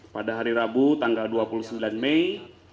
pada hari rabu tanggal dua puluh sembilan mei